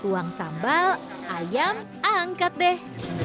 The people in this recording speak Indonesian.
tuang sambal ayam angkat deh